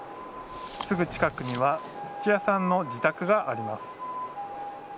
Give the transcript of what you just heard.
すぐ近くには土屋さんの自宅があります。